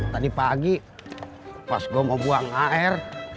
tadi pagi pas gue mau buang ar